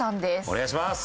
お願いします！